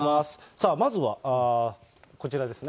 さあまずはこちらですね。